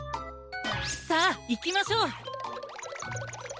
さあいきましょう！